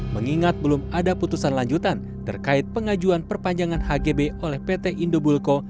mengingat belum ada putusan lanjutan terkait pengajuan perpanjangan hgb oleh pt indobulko